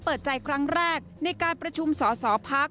เปิดใจครั้งแรกในการประชุมสอสอพัก